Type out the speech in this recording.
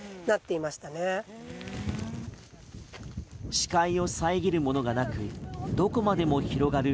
視界を遮るものがなくどこまでも広がる